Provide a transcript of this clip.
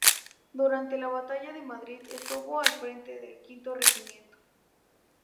Durante la batalla de Madrid estuvo al frente del Quinto Regimiento.